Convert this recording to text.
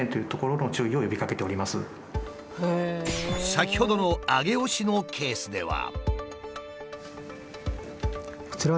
先ほどの上尾市のケースでは。